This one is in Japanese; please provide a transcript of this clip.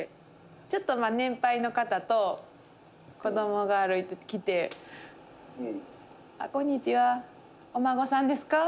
ちょっと年配の方と子供が歩いてきて「こんにちは。お孫さんですか？」